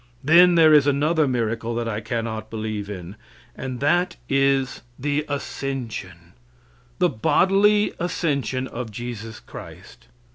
Then there is another miracle that I cannot believe in, and that is the ascension the bodily ascension of Jesus Christ.